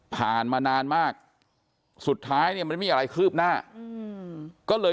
ผ่านมานานมาก